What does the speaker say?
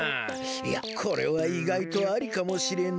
いやこれはいがいとありかもしれない。